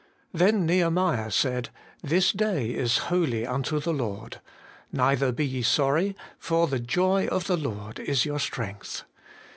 'Then Nehemiah said, This day is holy unto the Lord: neither be ye sorry, for the joy of the Lord is your strength.